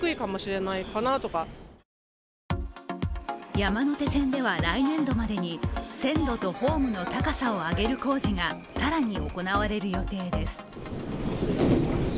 山手線では来年度までに線路とホームの高さを上げる工事が更に行われる予定です。